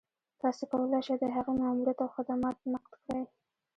تاسو کولای شئ د هغې ماموريت او خدمات نقد کړئ.